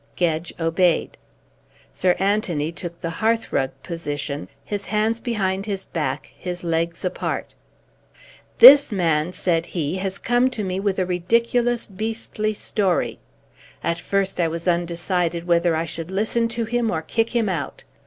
Gedge obeyed. Sir Anthony took the hearthrug position, his hands behind his back, his legs apart. "This man," said he, "has come to me with a ridiculous, beastly story. At first I was undecided whether I should listen to him or kick him out.